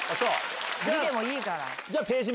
義理でもいいから。